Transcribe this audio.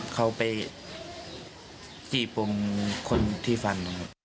เขาไปจี้ปมคนที่ฟัน